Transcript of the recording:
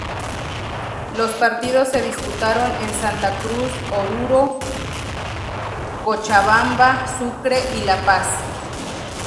Los partidos se disputaron en Santa Cruz, Oruro, Cochabamba, Sucre y La Paz.